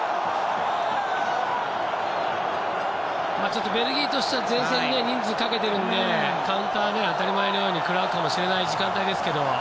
ちょっとベルギーとしては前線に人数をかけているのでカウンターを当たり前のように食らうかもしれない時間帯ですけれども。